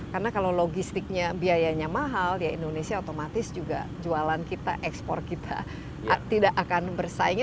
karena kalau logistiknya biayanya mahal ya indonesia otomatis juga jualan kita ekspor kita tidak akan bersaing